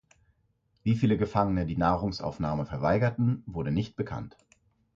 Wie viele Gefangene die Nahrungsaufnahme verweigerten, wurde nicht bekannt.